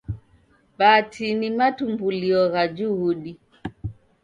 Bhati ni matumbulio gha juhudi.